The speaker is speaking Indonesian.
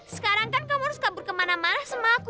sekarang kan kamu harus kabur kemana mana sama aku